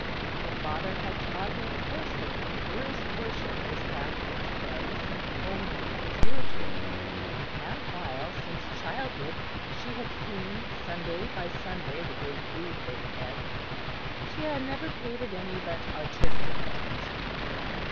Her father had taught her of course that the purest worship was that which was only spiritual; and while since childhood she had seen Sunday by Sunday the Great Rood overhead, she had never paid it any but artistic attention.